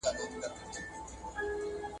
زه پرون مځکي ته وکتل!